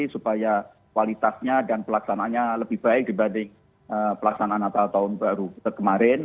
supaya kualitasnya dan pelaksanaannya lebih baik dibanding pelaksanaan natal tahun baru kemarin